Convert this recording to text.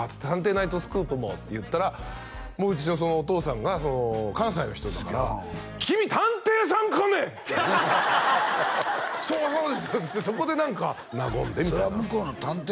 ナイトスクープ」もって言ったらもうそのお父さんが関西の人だからそうそうですっつってそこで何か和んでみたいなそれは向こうの「探偵！